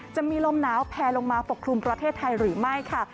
จะมีลมหนาวแพลลงมาปกครุมประเทศไทยหรือไม่ค่ะ